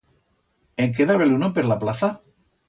En queda beluno per la plaza?